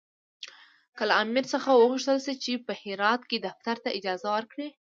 که له امیر څخه وغوښتل شي چې په هرات کې دفتر ته اجازه ورکړي.